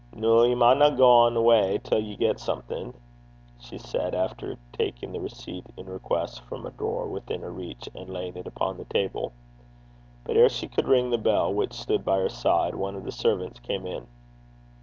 'Noo ye maunna gang awa' till ye get something,' she said, after taking the receipt in request from a drawer within her reach, and laying it upon the table. But ere she could ring the bell which stood by her side, one of her servants came in.